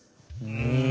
うん。